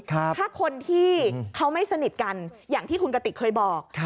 ถ้าคนที่เขาไม่สนิทกันอย่างที่คุณกติกเคยบอก